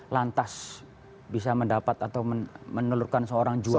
lantas bisa mendapat atau menelurkan seorang juara